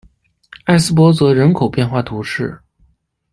埃斯珀泽人口变化图示